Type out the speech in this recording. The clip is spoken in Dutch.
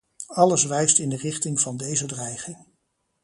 Alles wijst in de richting van deze dreiging.